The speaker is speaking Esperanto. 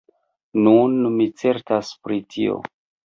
Nun mi certas pri tio.